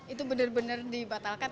itu benar benar dibatalkan